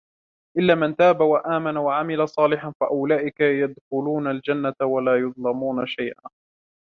إلا من تاب وآمن وعمل صالحا فأولئك يدخلون الجنة ولا يظلمون شيئا